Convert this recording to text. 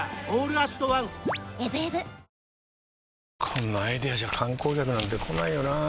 こんなアイデアじゃ観光客なんて来ないよなあ